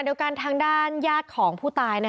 เดียวกันทางด้านญาติของผู้ตาย